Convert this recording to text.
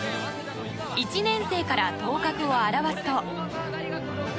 １年生から頭角を現すと。